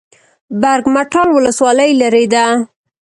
برګ مټال ولسوالۍ لیرې ده؟